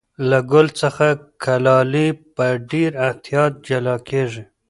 له ګل څخه کلالې په ډېر احتیاط جلا کېږي.